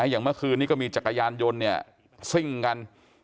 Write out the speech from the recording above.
อย่างเมื่อคืนนี้ก็มีจักรยานยนต์เนี่ยซิ่งกัน